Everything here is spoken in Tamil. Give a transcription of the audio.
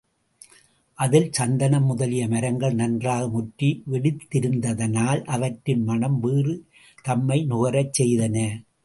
அகில் சந்தனம் முதலிய மரங்கள் நன்றாக முற்றி வெடித்திருந்ததனால், அவற்றின் மணம்வேறு தம்மை நுகரச் செய்தன.